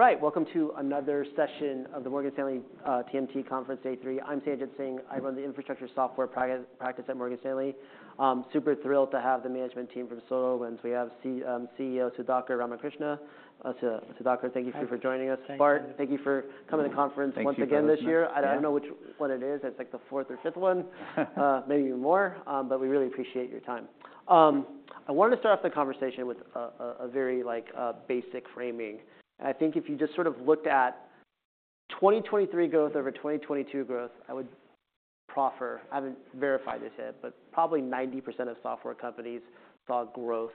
All right, welcome to another session of the Morgan Stanley TMT Conference Day 3. I'm Sanjit Singh. I run the infrastructure software practice at Morgan Stanley. Super thrilled to have the management team from SolarWinds. We have CEO Sudhakar Ramakrishna. Sudhakar, thank you for joining us. Bart, thank you for coming to the conference once again this year. Thank you. I don't know which one it is. It's like the fourth or fifth one, maybe even more. But we really appreciate your time. I wanted to start off the conversation with a very basic framing. I think if you just sort of looked at 2023 growth over 2022 growth, I would proffer I haven't verified this yet, but probably 90% of software companies saw growth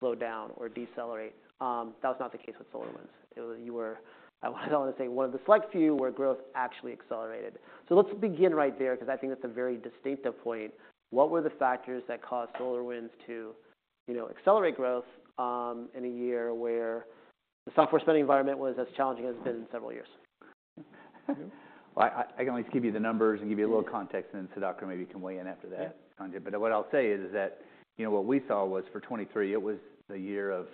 slow down or decelerate. That was not the case with SolarWinds. You were, I want to say, one of the select few where growth actually accelerated. So let's begin right there, because I think that's a very distinctive point. What were the factors that caused SolarWinds to accelerate growth in a year where the software spending environment was as challenging as it's been in several years? Well, I can always give you the numbers and give you a little context. And then Sudhakar, maybe you can weigh in after that. Yeah. But what I'll say is that what we saw was, for 2023, it was the year of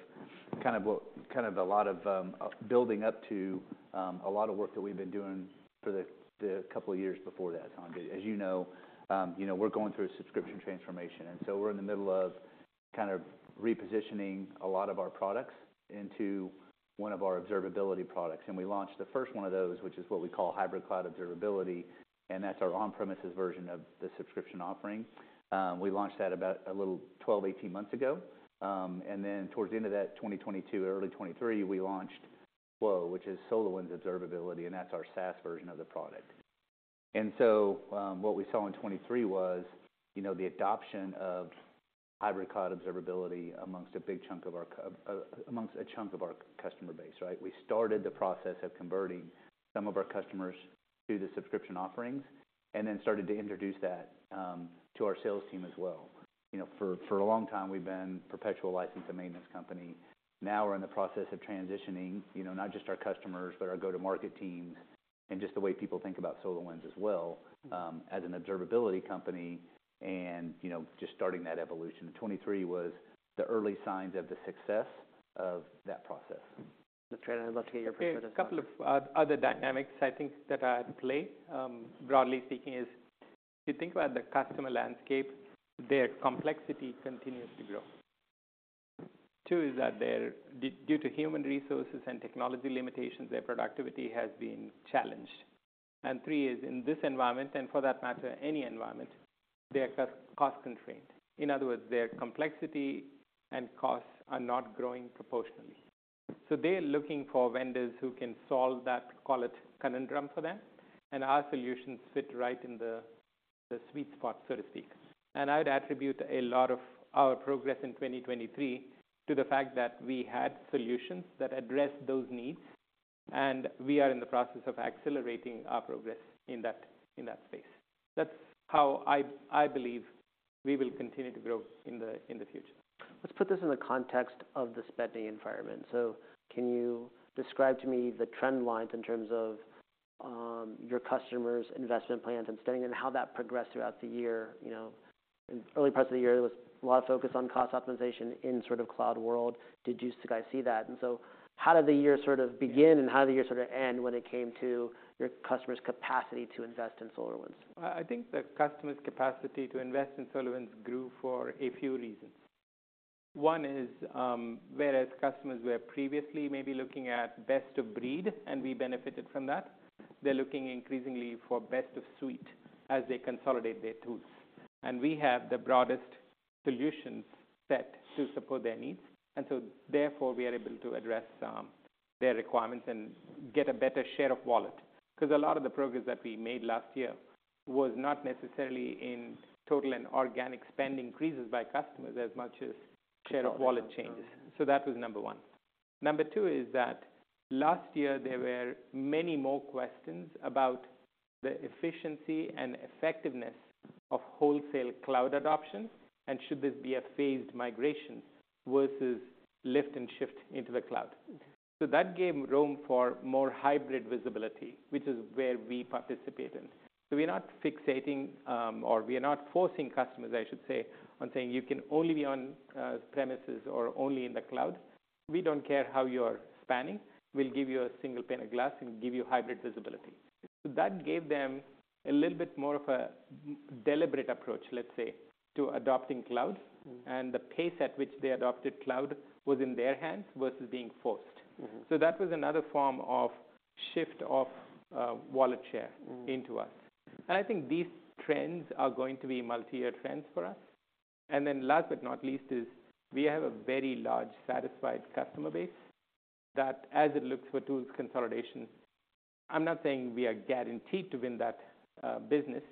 kind of a lot of building up to a lot of work that we've been doing for the couple of years before that. So as you know, we're going through a subscription transformation. And so we're in the middle of kind of repositioning a lot of our products into one of our observability products. And we launched the first one of those, which is what we call Hybrid Cloud Observability. And that's our on-premises version of the subscription offering. We launched that about a little 12-18 months ago. And then towards the end of that, 2022, early 2023, we launched SWO, which is SolarWinds Observability. And that's our SaaS version of the product. So what we saw in 2023 was the adoption of Hybrid Cloud Observability among a big chunk of our customer base, right? We started the process of converting some of our customers to the subscription offerings and then started to introduce that to our sales team as well. For a long time, we've been a perpetual license and maintenance company. Now we're in the process of transitioning not just our customers, but our go-to-market teams and just the way people think about SolarWinds as well, as an observability company, and just starting that evolution. 2023 was the early signs of the success of that process. That's great. I'd love to get your perspective. Yeah. A couple of other dynamics, I think, that are at play. Broadly speaking, if you think about the customer landscape, their complexity continues to grow. Two is that due to human resources and technology limitations, their productivity has been challenged. And three is, in this environment and for that matter, any environment, they are cost-constrained. In other words, their complexity and costs are not growing proportionally. So they're looking for vendors who can solve that, call it, conundrum for them. And our solutions fit right in the sweet spot, so to speak. And I would attribute a lot of our progress in 2023 to the fact that we had solutions that address those needs. And we are in the process of accelerating our progress in that space. That's how I believe we will continue to grow in the future. Let's put this in the context of the spending environment. So can you describe to me the trend lines in terms of your customers' investment plans and spending, and how that progressed throughout the year? In the early parts of the year, there was a lot of focus on cost optimization in sort of cloud world. Did you see that? And so how did the year sort of begin, and how did the year sort of end when it came to your customers' capacity to invest in SolarWinds? I think the customers' capacity to invest in SolarWinds grew for a few reasons. One is, whereas customers were previously maybe looking at best of breed, and we benefited from that, they're looking increasingly for best of suite as they consolidate their tools. We have the broadest solutions set to support their needs. So therefore, we are able to address their requirements and get a better share of wallet. Because a lot of the progress that we made last year was not necessarily in total and organic spend increases by customers as much as share of wallet changes. So that was number one. Number two is that last year, there were many more questions about the efficiency and effectiveness of wholesale cloud adoption, and should this be a phased migration versus lift and shift into the cloud. So that gave room for more hybrid visibility, which is where we participate in. So we're not fixating, or we're not forcing customers, I should say, on saying, you can only be on premises or only in the cloud. We don't care how you are spanning. We'll give you a single pane of glass and give you hybrid visibility. So that gave them a little bit more of a deliberate approach, let's say, to adopting cloud. And the pace at which they adopted cloud was in their hands versus being forced. So that was another form of shift of wallet share into us. And I think these trends are going to be multi-year trends for us. And then last but not least is we have a very large satisfied customer base that, as it looks for tools consolidation, I'm not saying we are guaranteed to win that business,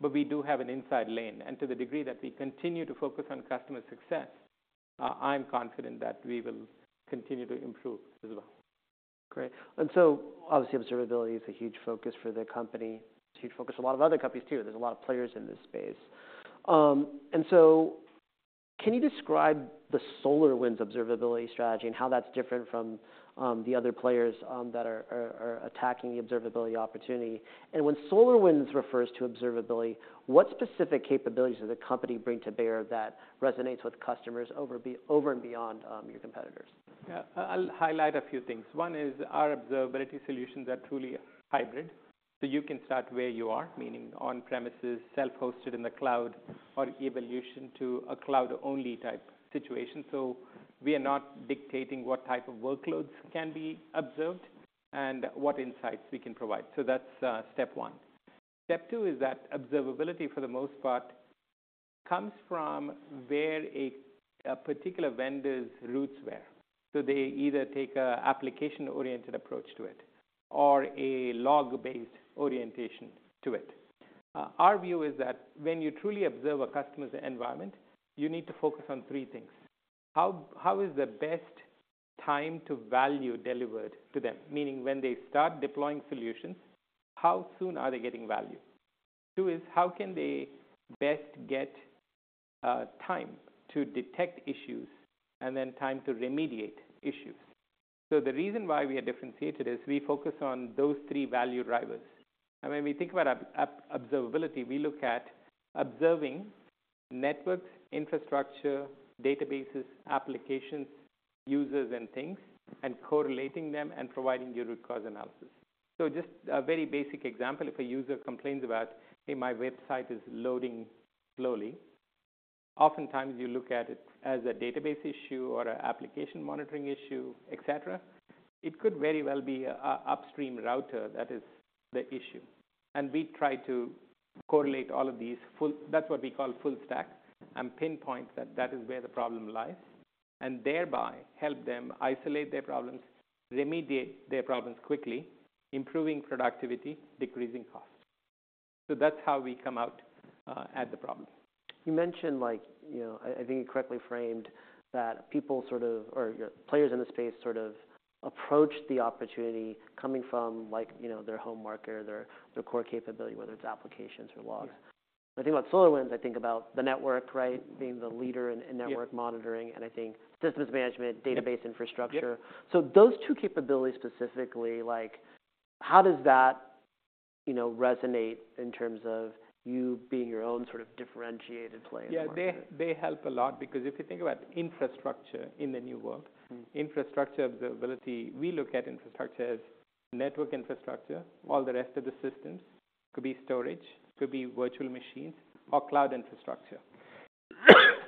but we do have an inside lane. And to the degree that we continue to focus on customer success, I'm confident that we will continue to improve as well. Great. And so obviously, observability is a huge focus for the company. It's a huge focus for a lot of other companies, too. There's a lot of players in this space. And so can you describe the SolarWinds observability strategy and how that's different from the other players that are attacking the observability opportunity? And when SolarWinds refers to observability, what specific capabilities does the company bring to bear that resonates with customers over and beyond your competitors? Yeah. I'll highlight a few things. One is our observability solutions are truly hybrid. So you can start where you are, meaning on-premises, self-hosted in the cloud, or evolution to a cloud-only type situation. So we are not dictating what type of workloads can be observed and what insights we can provide. So that's step one. Step two is that observability, for the most part, comes from where a particular vendor's roots were. So they either take an application-oriented approach to it or a log-based orientation to it. Our view is that when you truly observe a customer's environment, you need to focus on three things. How is the best time to value delivered to them? Meaning when they start deploying solutions, how soon are they getting value? Two is, how can they best get time to detect issues and then time to remediate issues? The reason why we are differentiated is we focus on those three value drivers. When we think about observability, we look at observing networks, infrastructure, databases, applications, users, and things, and correlating them and providing your root cause analysis. Just a very basic example, if a user complains about, hey, my website is loading slowly, oftentimes you look at it as a database issue or an application monitoring issue, et cetera. It could very well be an upstream router that is the issue. We try to correlate all of these full-stack; that's what we call full-stack and pinpoint that that is where the problem lies and thereby help them isolate their problems, remediate their problems quickly, improving productivity, decreasing costs. That's how we come out at the problem. You mentioned, I think you correctly framed, that people sort of or players in the space sort of approach the opportunity coming from their home market or their core capability, whether it's applications or logs. When I think about SolarWinds, I think about the network, right, being the leader in network monitoring. And I think systems management, database infrastructure. So those two capabilities specifically, how does that resonate in terms of you being your own sort of differentiated player? Yeah. They help a lot. Because if you think about infrastructure in the new world, infrastructure observability, we look at infrastructure as network infrastructure. All the rest of the systems could be storage, could be virtual machines, or cloud infrastructure.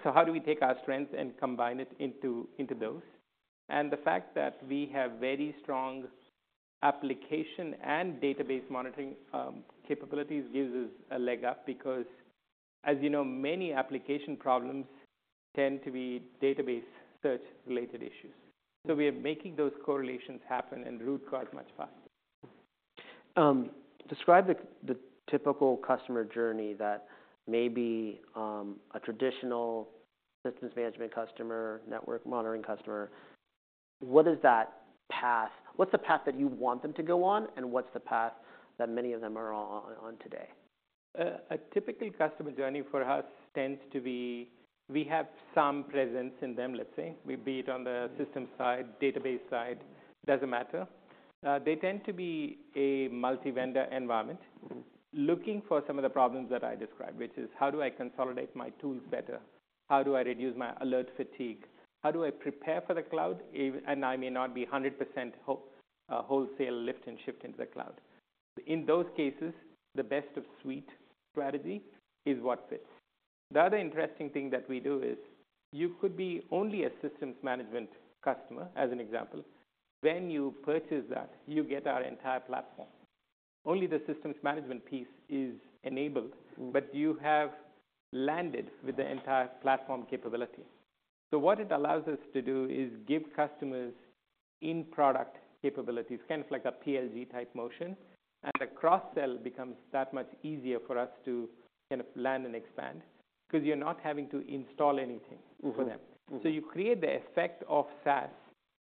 So how do we take our strengths and combine it into those? And the fact that we have very strong application and database monitoring capabilities gives us a leg up. Because as you know, many application problems tend to be database search-related issues. So we are making those correlations happen and root cause much faster. Describe the typical customer journey that maybe a traditional systems management customer, network monitoring customer? What is that path? What's the path that you want them to go on? What's the path that many of them are on today? A typical customer journey for us tends to be we have some presence in them, let's say. Whether it be on the systems side, database side, doesn't matter. They tend to be a multi-vendor environment looking for some of the problems that I described, which is, how do I consolidate my tools better? How do I reduce my alert fatigue? How do I prepare for the cloud? I may not be 100% wholesale lift and shift into the cloud. In those cases, the best-of-suite strategy is what fits. The other interesting thing that we do is, you could be only a systems management customer, as an example. When you purchase that, you get our entire platform. Only the systems management piece is enabled. But you have landed with the entire platform capability. What it allows us to do is give customers in-product capabilities, kind of like a PLG type motion. The cross-sell becomes that much easier for us to kind of land and expand, because you're not having to install anything for them. You create the effect of SaaS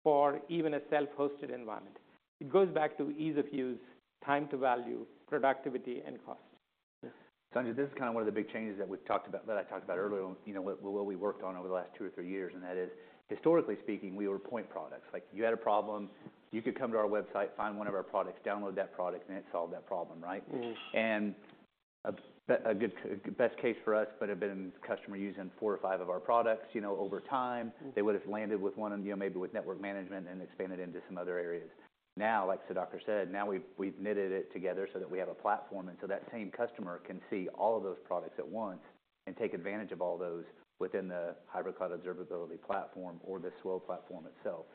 for even a self-hosted environment. It goes back to ease of use, time to value, productivity, and cost. Yes. So this is kind of one of the big changes that we've talked about that I talked about earlier with what we worked on over the last two or three years. And that is, historically speaking, we were point products. You had a problem. You could come to our website, find one of our products, download that product, and it solved that problem, right? And a best case for us, but a bit of customer using four or five of our products over time, they would have landed with one maybe with network management and expanded into some other areas. Now, like Sudhakar said, now we've knitted it together so that we have a platform. And so that same customer can see all of those products at once and take advantage of all those within the Hybrid Cloud Observability platform or the SWO platform itself.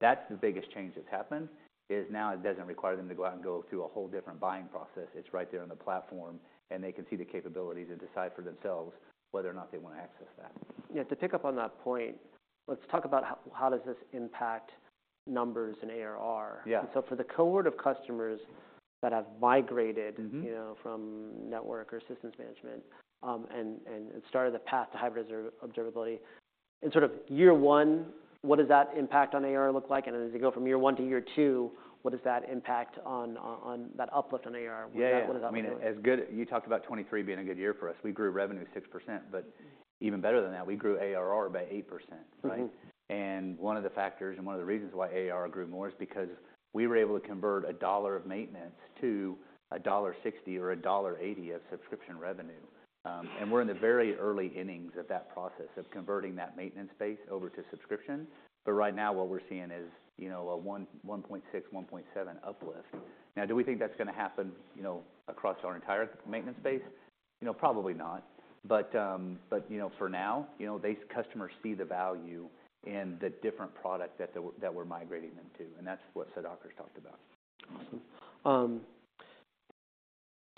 That's the biggest change that's happened, is now it doesn't require them to go out and go through a whole different buying process. It's right there on the platform. They can see the capabilities and decide for themselves whether or not they want to access that. Yeah. To pick up on that point, let's talk about how does this impact numbers and ARR. And so for the cohort of customers that have migrated from network or systems management and started the path to hybrid observability, in sort of year one, what does that impact on ARR look like? And as you go from year one to year two, what does that impact on that uplift on ARR? What does that mean? Yeah. I mean, as you talked about 2023 being a good year for us. We grew revenue 6%. But even better than that, we grew ARR by 8%, right? And one of the factors and one of the reasons why ARR grew more is because we were able to convert $1 of maintenance to $1.60 or $1.80 of subscription revenue. And we're in the very early innings of that process of converting that maintenance base over to subscription. But right now, what we're seeing is a 1.6, 1.7 uplift. Now, do we think that's going to happen across our entire maintenance base? Probably not. But for now, these customers see the value in the different product that we're migrating them to. And that's what Sudhakar's talked about. Awesome.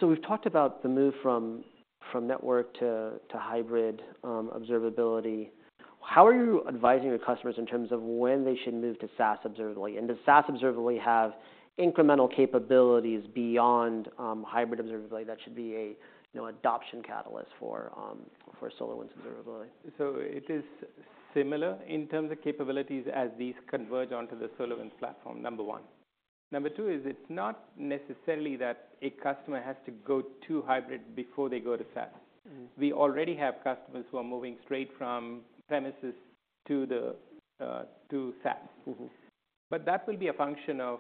So we've talked about the move from network to hybrid observability. How are you advising your customers in terms of when they should move to SaaS observability? And does SaaS observability have incremental capabilities beyond hybrid observability that should be an adoption catalyst for SolarWinds Observability? So it is similar in terms of capabilities as these converge onto the SolarWinds platform, number one. Number two is, it's not necessarily that a customer has to go to hybrid before they go to SaaS. We already have customers who are moving straight from premises to SaaS. But that will be a function of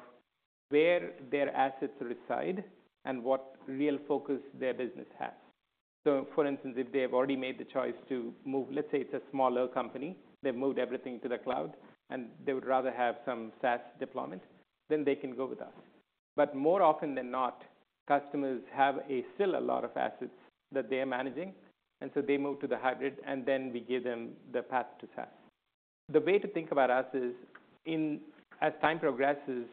where their assets reside and what real focus their business has. So for instance, if they have already made the choice to move let's say it's a smaller company. They've moved everything to the cloud. And they would rather have some SaaS deployment. Then they can go with us. But more often than not, customers have still a lot of assets that they are managing. And so they move to the hybrid. And then we give them the path to SaaS. The way to think about us is, as time progresses,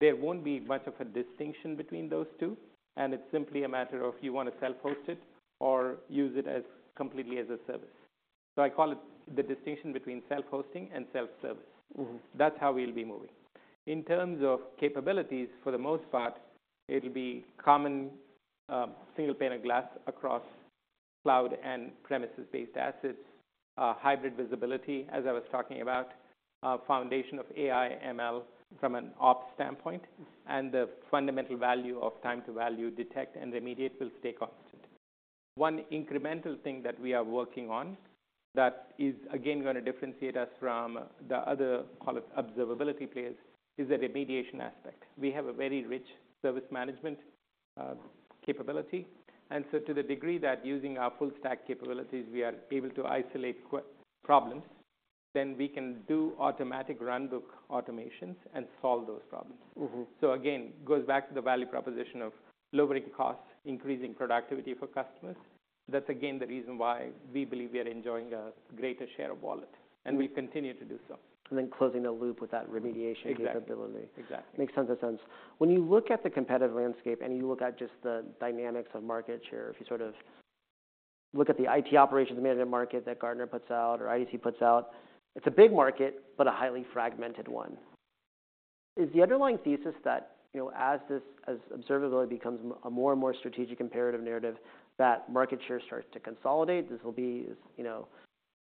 there won't be much of a distinction between those two. And it's simply a matter of, you want to self-host it or use it completely as a service. So I call it the distinction between self-hosting and self-service. That's how we'll be moving. In terms of capabilities, for the most part, it'll be common single pane of glass across cloud and premises-based assets, hybrid visibility, as I was talking about, foundation of AI/ML from an ops standpoint, and the fundamental value of time to value, detect, and remediate will stay constant. One incremental thing that we are working on that is, again, going to differentiate us from the other observability players is the remediation aspect. We have a very rich service management capability. And so to the degree that using our full-stack capabilities, we are able to isolate problems, then we can do automatic runbook automations and solve those problems. So again, it goes back to the value proposition of lowering costs, increasing productivity for customers. That's, again, the reason why we believe we are enjoying a greater share of wallet. And we'll continue to do so. Closing the loop with that remediation capability. Exactly. Exactly. Makes sense. When you look at the competitive landscape and you look at just the dynamics of market share, if you sort of look at the IT Operations Management market that Gartner puts out or IDC puts out, it's a big market, but a highly fragmented one. Is the underlying thesis that as observability becomes a more and more strategic imperative narrative, that market share starts to consolidate? This will be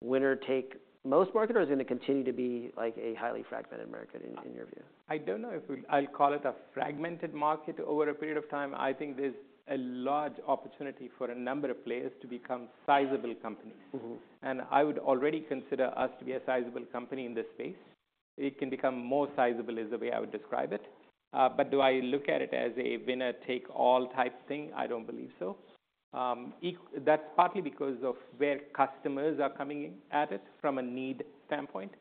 winner-take-most market? Or is it going to continue to be a highly fragmented market in your view? I don't know if I'll call it a fragmented market over a period of time. I think there's a large opportunity for a number of players to become sizable companies. I would already consider us to be a sizable company in this space. It can become more sizable is the way I would describe it. Do I look at it as a winner-take-all type thing? I don't believe so. That's partly because of where customers are coming at it from a need standpoint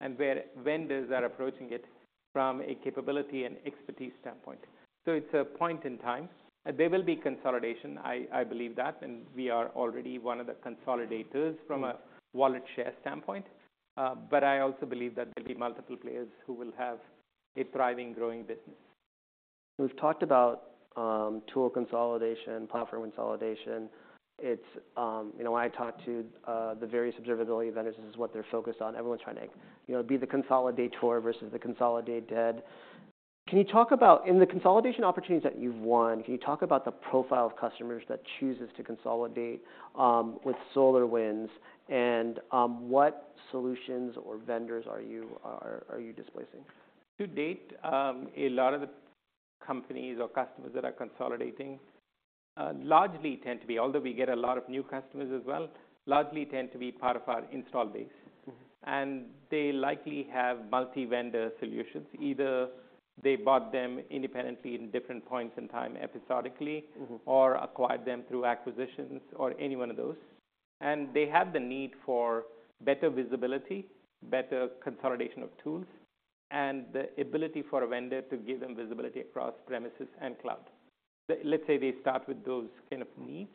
and where vendors are approaching it from a capability and expertise standpoint. It's a point in time. There will be consolidation. I believe that. We are already one of the consolidators from a wallet share standpoint. I also believe that there'll be multiple players who will have a thriving, growing business. We've talked about tool consolidation, platform consolidation. When I talk to the various observability vendors, this is what they're focused on. Everyone's trying to be the consolidator versus the consolidated. Can you talk about in the consolidation opportunities that you've won, can you talk about the profile of customers that chooses to consolidate with SolarWinds? And what solutions or vendors are you displacing? To date, a lot of the companies or customers that are consolidating largely tend to be, although we get a lot of new customers as well, largely tend to be part of our install base. They likely have multi-vendor solutions. Either they bought them independently in different points in time episodically or acquired them through acquisitions or any one of those. They have the need for better visibility, better consolidation of tools, and the ability for a vendor to give them visibility across premises and cloud. Let's say they start with those kind of needs.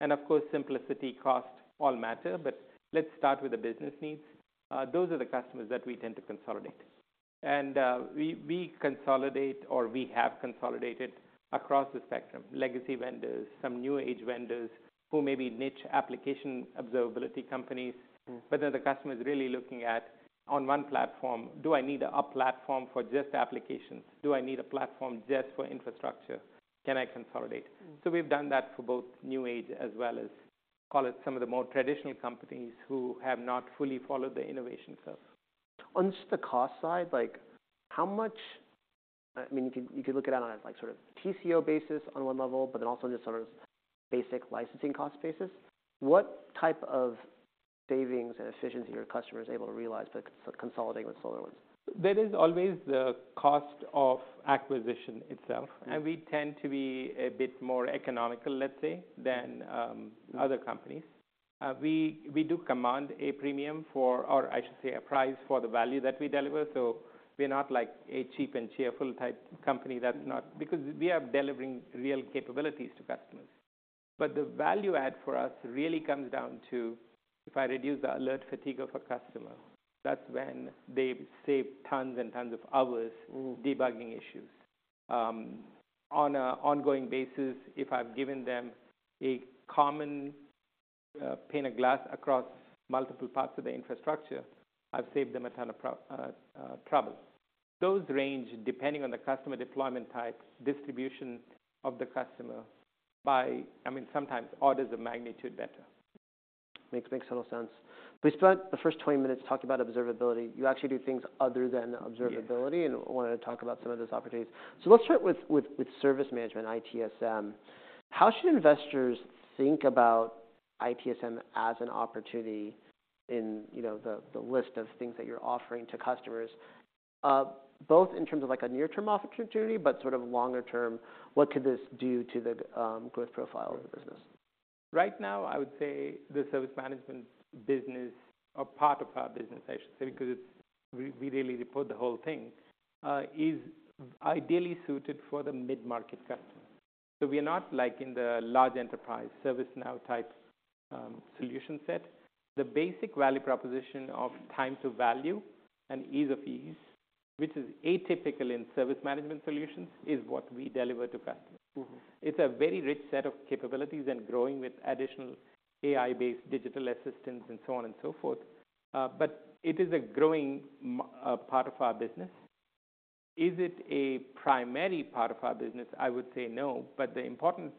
Of course, simplicity, cost, all matter. But let's start with the business needs. Those are the customers that we tend to consolidate. We consolidate or we have consolidated across the spectrum legacy vendors, some new-age vendors who may be niche application observability companies. But then the customer is really looking at, on one platform, do I need a platform for just applications? Do I need a platform just for infrastructure? Can I consolidate? So we've done that for both new-age as well as, call it, some of the more traditional companies who have not fully followed the innovation curve. On just the cost side, how much I mean, you could look at it on a sort of TCO basis on one level, but then also just on a basic licensing cost basis. What type of savings and efficiency are your customers able to realize by consolidating with SolarWinds? There is always the cost of acquisition itself. We tend to be a bit more economical, let's say, than other companies. We do command a premium for or I should say a price for the value that we deliver. We're not like a cheap and cheerful type company that's not because we are delivering real capabilities to customers. The value add for us really comes down to, if I reduce the alert fatigue of a customer, that's when they save tons and tons of hours debugging issues. On an ongoing basis, if I've given them a single pane of glass across multiple parts of the infrastructure, I've saved them a ton of trouble. Those range, depending on the customer deployment type, distribution of the customer, by I mean, sometimes orders of magnitude better. Makes total sense. We spent the first 20 minutes talking about observability. You actually do things other than observability. I wanted to talk about some of those opportunities. Let's start with service management, ITSM. How should investors think about ITSM as an opportunity in the list of things that you're offering to customers, both in terms of a near-term opportunity but sort of longer term? What could this do to the growth profile of the business? Right now, I would say the service management business or part of our business, I should say, because we really report the whole thing, is ideally suited for the mid-market customer. So we are not like in the large enterprise ServiceNow type solution set. The basic value proposition of time to value and ease of use, which is atypical in service management solutions, is what we deliver to customers. It's a very rich set of capabilities and growing with additional AI-based digital assistants and so on and so forth. But it is a growing part of our business. Is it a primary part of our business? I would say no. But the important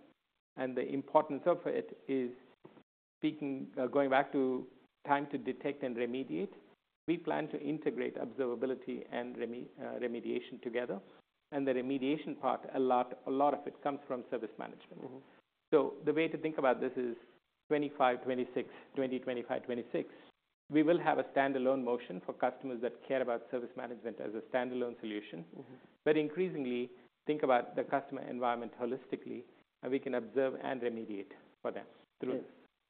and the importance of it is going back to time to detect and remediate. We plan to integrate observability and remediation together. And the remediation part, a lot of it comes from service management. The way to think about this is 2025, 2026, we will have a standalone motion for customers that care about service management as a standalone solution. Increasingly, think about the customer environment holistically. We can observe and remediate for them through this.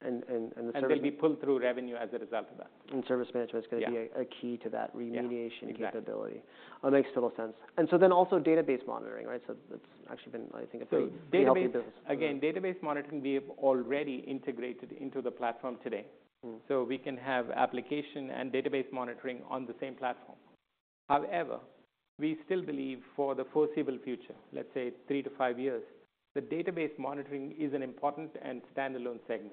The service. They'll be pulled through revenue as a result of that. Service management is going to be a key to that remediation capability. Exactly. Makes total sense. So then also database monitoring, right? So that's actually been, I think, a pretty healthy business. So again, database monitoring, we have already integrated into the platform today. So we can have application and database monitoring on the same platform. However, we still believe for the foreseeable future, let's say three to five years, the database monitoring is an important and standalone segment.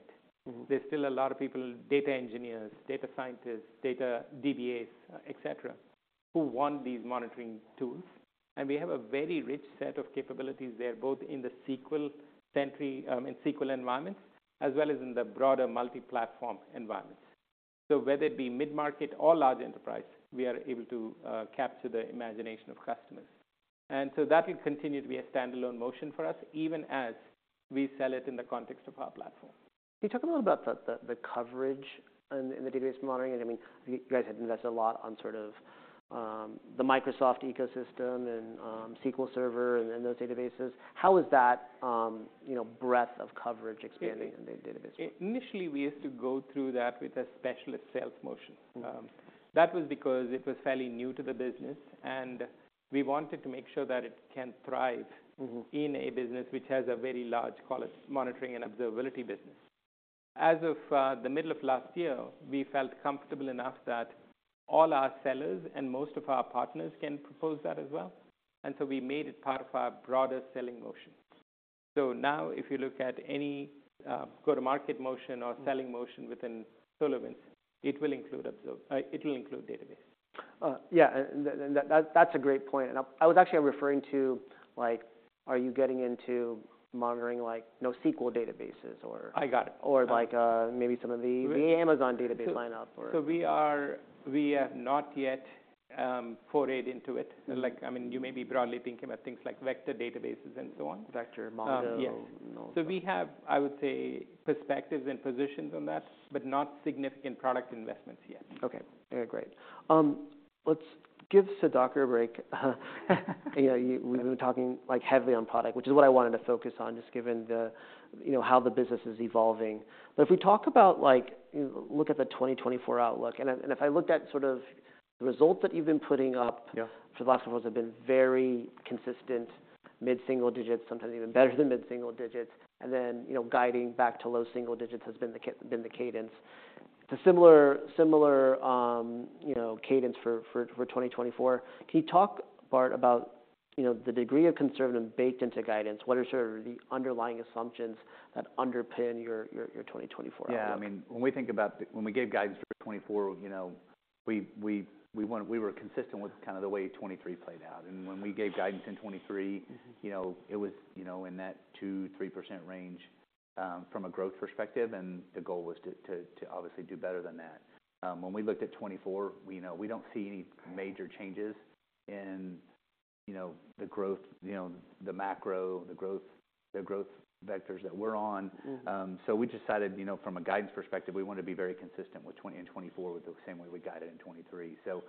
There's still a lot of people, data engineers, data scientists, data DBAs, et cetera, who want these monitoring tools. And we have a very rich set of capabilities there, both in the SQL Sentry in SQL environments as well as in the broader multi-platform environments. So whether it be mid-market or large enterprise, we are able to capture the imagination of customers. And so that will continue to be a standalone motion for us, even as we sell it in the context of our platform. Can you talk a little bit about the coverage and the database monitoring? And I mean, you guys had invested a lot on sort of the Microsoft ecosystem and SQL Server and those databases. How is that breadth of coverage expanding in the database? Initially, we used to go through that with a specialist sales motion. That was because it was fairly new to the business. We wanted to make sure that it can thrive in a business which has a very large, call it, monitoring and observability business. As of the middle of last year, we felt comfortable enough that all our sellers and most of our partners can propose that as well. So we made it part of our broader selling motion. So now, if you look at any go-to-market motion or selling motion within SolarWinds, it will include database. Yeah. That's a great point. I was actually referring to, are you getting into monitoring NoSQL databases or? I got it. Or maybe some of the Amazon database lineup or. We have not yet forayed into it. I mean, you may be broadly thinking about things like vector databases and so on. Vector, Mongo. Yes. So we have, I would say, perspectives and positions on that, but not significant product investments yet. OK. Great. Let's give Sudhakar a break. We've been talking heavily on product, which is what I wanted to focus on, just given how the business is evolving. But if we talk about, look at the 2024 outlook. And if I looked at sort of the results that you've been putting up for the last couple of years, they've been very consistent, mid-single digits, sometimes even better than mid-single digits. And then guiding back to low single digits has been the cadence. It's a similar cadence for 2024. Can you talk, Bart, about the degree of conservativism baked into guidance? What are sort of the underlying assumptions that underpin your 2024 outlook? Yeah. I mean, when we think about when we gave guidance for 2024, we were consistent with kind of the way 2023 played out. When we gave guidance in 2023, it was in that 2%-3% range from a growth perspective. The goal was to obviously do better than that. When we looked at 2024, we don't see any major changes in the growth, the macro, the growth vectors that we're on. So we decided, from a guidance perspective, we wanted to be very consistent with 2020 and 2024 with the same way we guided in 2023. So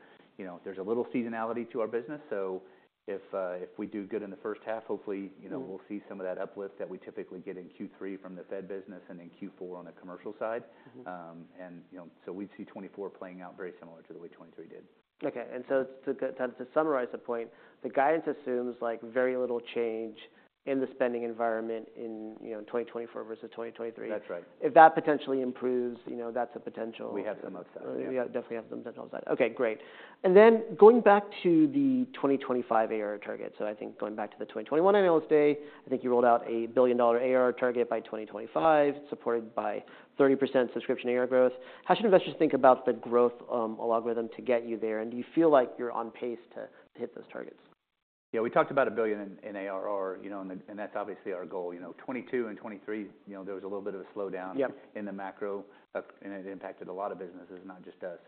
there's a little seasonality to our business. So if we do good in the first half, hopefully, we'll see some of that uplift that we typically get in Q3 from the Fed business and in Q4 on the commercial side. And so we'd see 2024 playing out very similar to the way 2023 did. OK. And so to summarize the point, the guidance assumes very little change in the spending environment in 2024 versus 2023. That's right. If that potentially improves, that's a potential. We have some upside. Yeah. We definitely have some potential upside. OK. Great. Then going back to the 2025 ARR target. So I think going back to the 2021 analyst day, I think you rolled out a $1 billion ARR target by 2025, supported by 30% subscription ARR growth. How should investors think about the growth algorithm to get you there? And do you feel like you're on pace to hit those targets? Yeah. We talked about $1 billion in ARR. And that's obviously our goal. 2022 and 2023, there was a little bit of a slowdown in the macro. And it impacted a lot of businesses, not just us.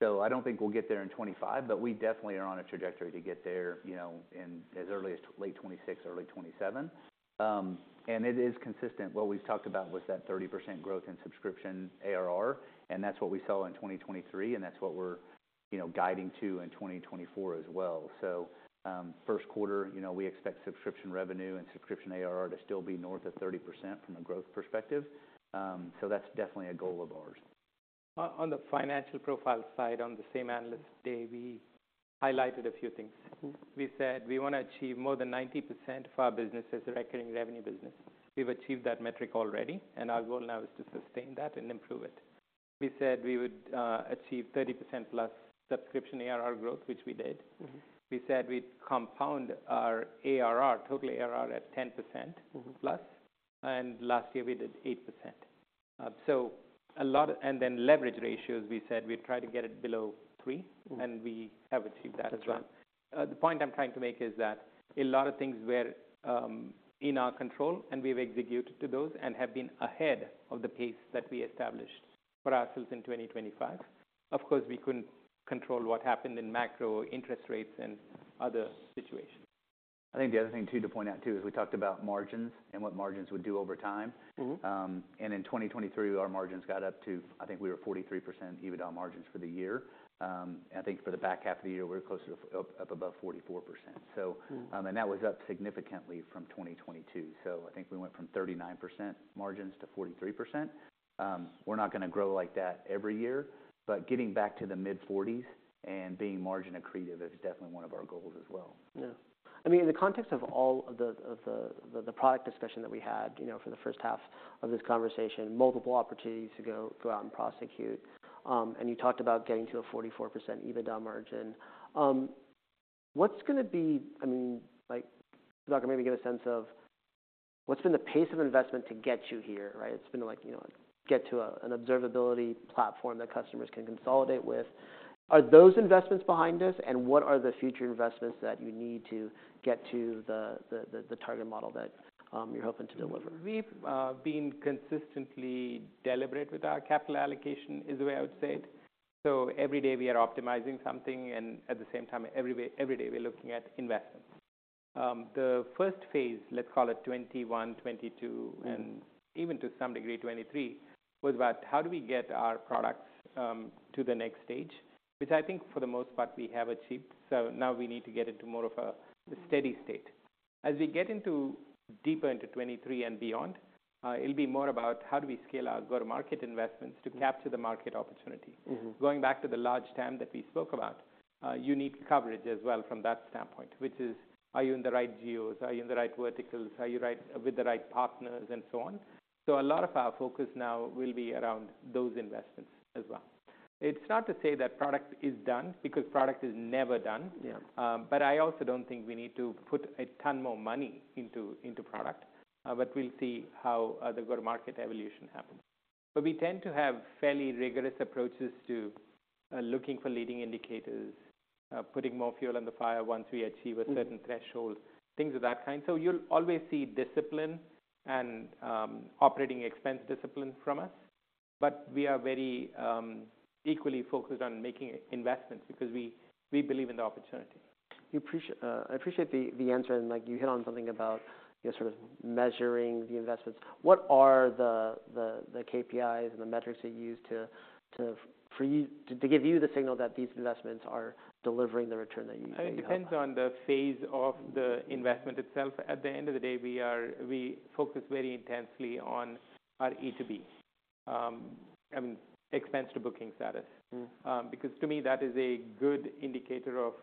So I don't think we'll get there in 2025. But we definitely are on a trajectory to get there as early as late 2026, early 2027. And it is consistent. What we've talked about was that 30% growth in subscription ARR. And that's what we saw in 2023. And that's what we're guiding to in 2024 as well. So first quarter, we expect subscription revenue and subscription ARR to still be north of 30% from a growth perspective. So that's definitely a goal of ours. On the financial profile side, on the same analyst day, we highlighted a few things. We said we want to achieve more than 90% of our business as a recurring revenue business. We've achieved that metric already. Our goal now is to sustain that and improve it. We said we would achieve 30%+ subscription ARR growth, which we did. We said we'd compound our total ARR at 10%+. Last year, we did 8%. Then leverage ratios, we said we'd try to get it below 3%. We have achieved that as well. The point I'm trying to make is that a lot of things were in our control. We've executed to those and have been ahead of the pace that we established for ourselves in 2025. Of course, we couldn't control what happened in macro interest rates and other situations. I think the other thing, too, to point out, too, is we talked about margins and what margins would do over time. And in 2023, our margins got up to I think we were 43% EBITDA margins for the year. And I think for the back half of the year, we were closer to up above 44%. And that was up significantly from 2022. So I think we went from 39% margins to 43%. We're not going to grow like that every year. But getting back to the mid-40s and being margin accretive is definitely one of our goals as well. Yeah. I mean, in the context of all of the product discussion that we had for the first half of this conversation, multiple opportunities to go out and prosecute. And you talked about getting to a 44% EBITDA margin. What's going to be—I mean, Sudhakar, maybe give a sense of what's been the pace of investment to get you here, right? It's been to get to an observability platform that customers can consolidate with. Are those investments behind us? And what are the future investments that you need to get to the target model that you're hoping to deliver? We've been consistently deliberate with our capital allocation, is the way I would say it. So every day, we are optimizing something. And at the same time, every day, we're looking at investments. The first phase, let's call it 2021, 2022, and even to some degree, 2023, was about how do we get our products to the next stage, which I think, for the most part, we have achieved. So now, we need to get into more of a steady state. As we get deeper into 2023 and beyond, it'll be more about how do we scale our go-to-market investments to capture the market opportunity. Going back to the large TAM that we spoke about, you need coverage as well from that standpoint, which is, are you in the right geos? Are you in the right verticals? Are you with the right partners? And so on. So a lot of our focus now will be around those investments as well. It's not to say that product is done, because product is never done. But I also don't think we need to put a ton more money into product. But we'll see how the go-to-market evolution happens. But we tend to have fairly rigorous approaches to looking for leading indicators, putting more fuel on the fire once we achieve a certain threshold, things of that kind. So you'll always see discipline and operating expense discipline from us. But we are very equally focused on making investments, because we believe in the opportunity. I appreciate the answer. And you hit on something about sort of measuring the investments. What are the KPIs and the metrics that you use to give you the signal that these investments are delivering the return that you hope they are? It depends on the phase of the investment itself. At the end of the day, we focus very intensely on our E2B, I mean, expense to booking status, because to me, that is a good indicator of,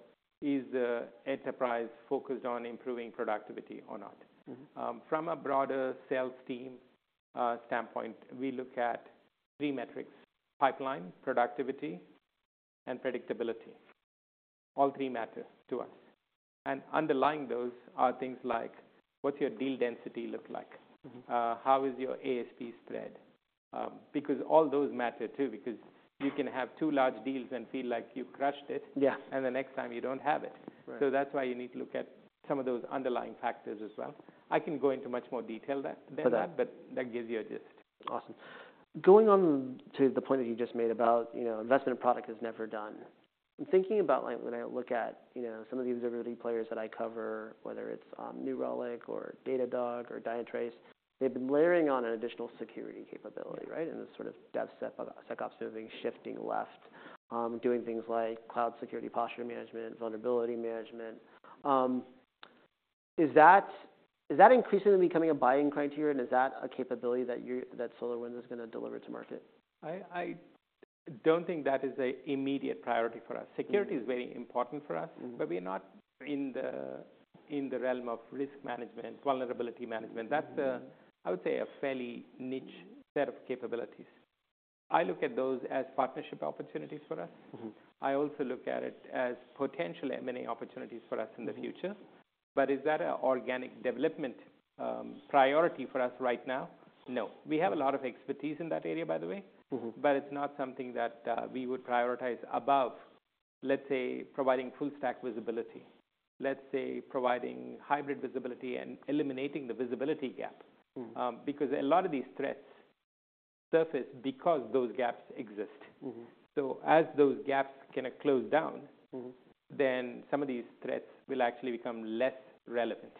is the enterprise focused on improving productivity or not? From a broader sales team standpoint, we look at three metrics: pipeline, productivity, and predictability. All three matter to us. And underlying those are things like, what's your deal density look like? How is your ASP spread? Because all those matter, too, because you can have two large deals and feel like you crushed it. And the next time, you don't have it. So that's why you need to look at some of those underlying factors as well. I can go into much more detail than that. But that gives you a gist. Awesome. Going on to the point that you just made about investment in product is never done, I'm thinking about when I look at some of the observability players that I cover, whether it's New Relic or Datadog or Dynatrace, they've been layering on an additional security capability, right? And this sort of DevSecOps moving, shifting left, doing things like cloud security posture management, vulnerability management. Is that increasingly becoming a buying criteria? And is that a capability that SolarWinds is going to deliver to market? I don't think that is an immediate priority for us. Security is very important for us. But we're not in the realm of risk management, vulnerability management. That's, I would say, a fairly niche set of capabilities. I look at those as partnership opportunities for us. I also look at it as potential M&A opportunities for us in the future. But is that an organic development priority for us right now? No. We have a lot of expertise in that area, by the way. But it's not something that we would prioritize above, let's say, providing full-stack visibility, let's say, providing hybrid visibility and eliminating the visibility gap, because a lot of these threats surface because those gaps exist. So as those gaps can close down, then some of these threats will actually become less relevant.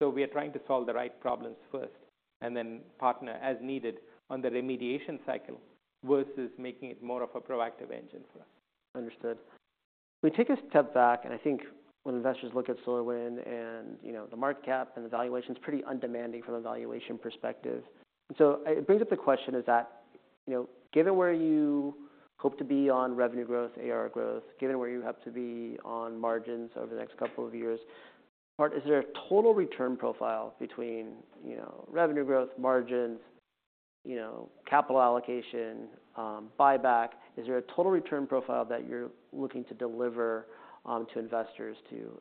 We are trying to solve the right problems first and then partner as needed on the remediation cycle versus making it more of a proactive engine for us. Understood. Can we take a step back? I think when investors look at SolarWinds and the market cap and the valuation, it's pretty undemanding from a valuation perspective. So it brings up the question, is that given where you hope to be on revenue growth, ARR growth, given where you hope to be on margins over the next couple of years, is there a total return profile between revenue growth, margins, capital allocation, buyback? Is there a total return profile that you're looking to deliver to investors to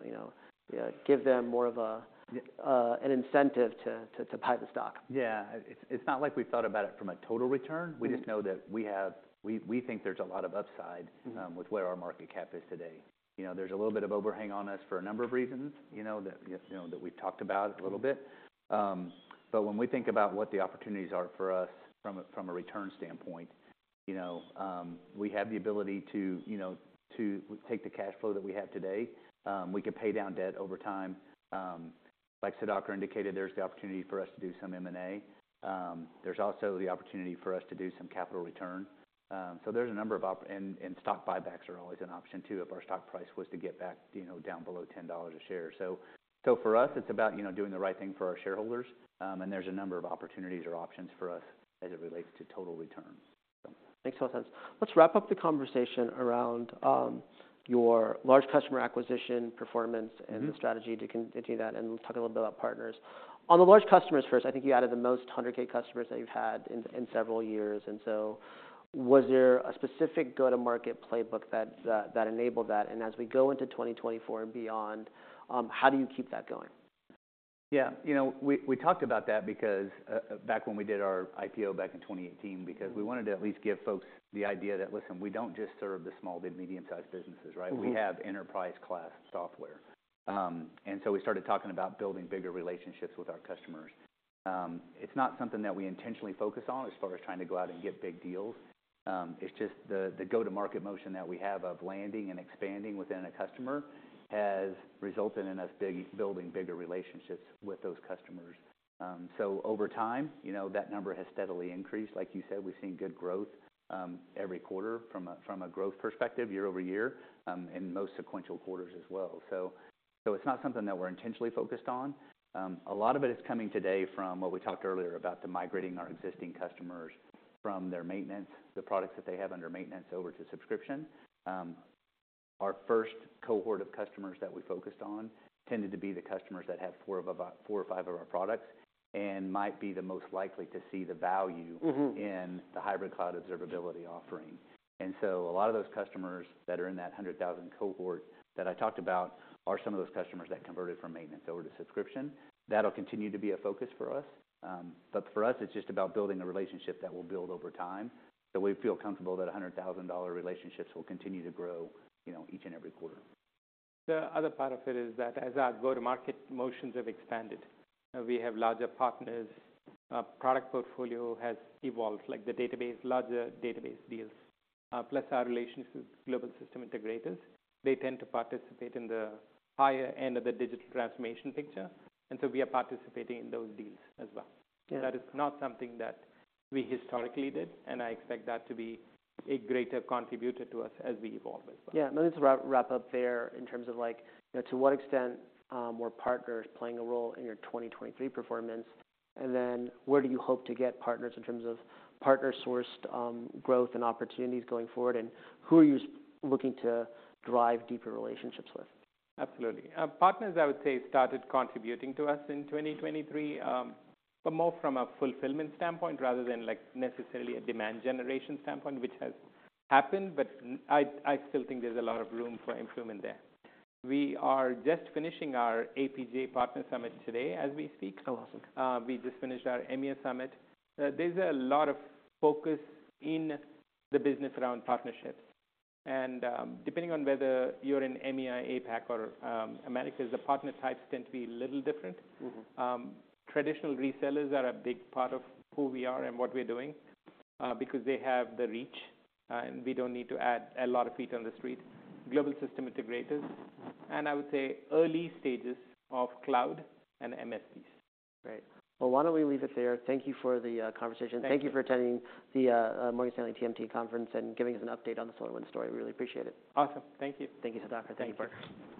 give them more of an incentive to buy the stock? Yeah. It's not like we've thought about it from a total return. We just know that we think there's a lot of upside with where our market cap is today. There's a little bit of overhang on us for a number of reasons that we've talked about a little bit. But when we think about what the opportunities are for us from a return standpoint, we have the ability to take the cash flow that we have today. We can pay down debt over time. Like Sudhakar indicated, there's the opportunity for us to do some M&A. There's also the opportunity for us to do some capital return. So there's a number of and stock buybacks are always an option, too, if our stock price was to get back down below $10 a share. So for us, it's about doing the right thing for our shareholders. There's a number of opportunities or options for us as it relates to total return. Makes total sense. Let's wrap up the conversation around your large customer acquisition performance and the strategy to continue that. We'll talk a little bit about partners. On the large customers first, I think you added the most 100K customers that you've had in several years. So was there a specific go-to-market playbook that enabled that? As we go into 2024 and beyond, how do you keep that going? Yeah. We talked about that back when we did our IPO back in 2018, because we wanted to at least give folks the idea that, listen, we don't just serve the small, mid, medium-sized businesses, right? We have enterprise-class software. And so we started talking about building bigger relationships with our customers. It's not something that we intentionally focus on as far as trying to go out and get big deals. It's just the go-to-market motion that we have of landing and expanding within a customer has resulted in us building bigger relationships with those customers. So over time, that number has steadily increased. Like you said, we've seen good growth every quarter from a growth perspective, year over year, in most sequential quarters as well. So it's not something that we're intentionally focused on. A lot of it is coming today from what we talked earlier about, the migrating our existing customers from their maintenance, the products that they have under maintenance, over to subscription. Our first cohort of customers that we focused on tended to be the customers that have four or five of our products and might be the most likely to see the value in the Hybrid Cloud Observability offering. And so a lot of those customers that are in that 100,000 cohort that I talked about are some of those customers that converted from maintenance over to subscription. That'll continue to be a focus for us. But for us, it's just about building a relationship that will build over time, that we feel comfortable that $100,000 relationships will continue to grow each and every quarter. The other part of it is that as our go-to-market motions have expanded, we have larger partners. Our product portfolio has evolved, like the larger database deals, plus our relationships with global system integrators. They tend to participate in the higher end of the digital transformation picture. And so we are participating in those deals as well. That is not something that we historically did. And I expect that to be a greater contributor to us as we evolve as well. Yeah. Let me just wrap up there in terms of, to what extent were partners playing a role in your 2023 performance? And then where do you hope to get partners in terms of partner-sourced growth and opportunities going forward? And who are you looking to drive deeper relationships with? Absolutely. Partners, I would say, started contributing to us in 2023, but more from a fulfillment standpoint rather than necessarily a demand generation standpoint, which has happened. But I still think there's a lot of room for improvement there. We are just finishing our APJ Partner Summit today as we speak. Oh, awesome. We just finished our EMEA Summit. There's a lot of focus in the business around partnerships. Depending on whether you're in EMEA, APAC, or America, the partner types tend to be a little different. Traditional resellers are a big part of who we are and what we're doing, because they have the reach. We don't need to add a lot of feet on the street. Global system integrators, and I would say early stages of cloud and MSPs. Right. Well, why don't we leave it there? Thank you for the conversation. Thank you for attending the Morgan Stanley TMT conference and giving us an update on the SolarWinds story. We really appreciate it. Awesome. Thank you. Thank you, Sudhakar. Thank you, Barton.